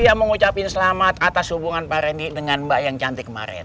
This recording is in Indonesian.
iya mengucapkan selamat atas hubungan pak randy dengan mbak yang cantik kemarin